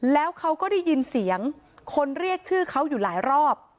แล้วเขาก็ได้ยินเสียงคนเรียกชื่อเขาอยู่หลายรอบ